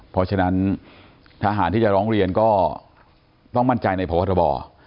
เพราะฉะนั้นทหารที่จะร้องเรียนก็ต้องมั่นใจในพบทบ